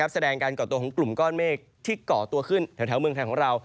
แสดงการก่อตัวของกลุ่มก้อนเมฆที่เกาะตัวขึ้นแถวเมืองไทยของเรา